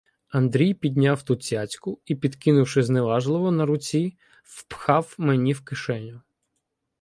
Андрій підняв ту цяцьку і, підкинувши зневажливо на руці, впхав мені в кишеню.